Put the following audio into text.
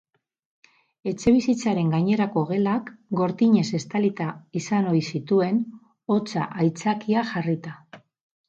Etxebizitzaren gainerako gelak gortinez estalita izan ohi zituen, hotza aitzakia jarrita.